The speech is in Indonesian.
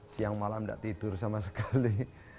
siang malam tidak tidur sama sekali